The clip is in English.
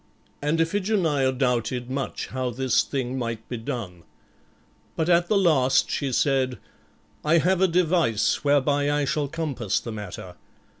And Iphigenia doubted much how this thing might be done. But at the last she said, "I have a device whereby I shall compass the matter.